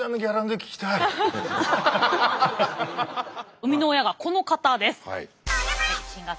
生みの親がこの方です。